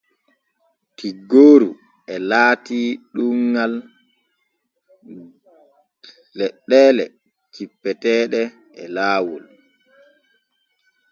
Tiggooru e laati ɗuuggal leɗɗeele cippeteeɗe e laawol.